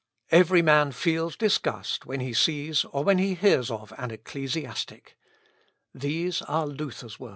Every man feels disgust when he sees or when he hears of an ecclesiastic." These are Luther's words.